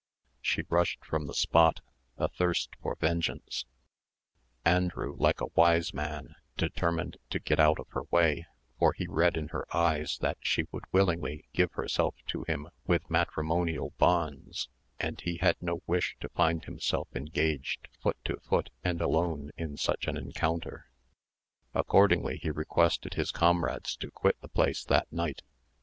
She rushed from the spot, athirst for vengeance. Andrew, like a wise man, determined to get out of her way, for he read in her eyes that she would willingly give herself to him with matrimonial bonds, and he had no wish to find himself engaged foot to foot and alone in such an encounter; accordingly, he requested his comrades to quit the place that night.